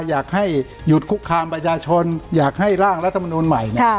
อยากให้หยุดคุกคามประชาชนอยากให้ร่างรัฐมนูลใหม่